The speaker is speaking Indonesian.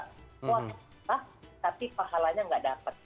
puasa tetap tapi pahalanya tidak dapat